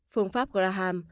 phương pháp graham